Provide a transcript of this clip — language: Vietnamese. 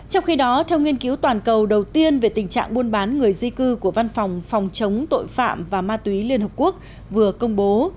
trong khi đó theo nghiên cứu toàn cầu đầu tiên về tình trạng buôn bán người di cư của văn phòng phòng chống tội phạm và ma túy liên hợp quốc vừa công bố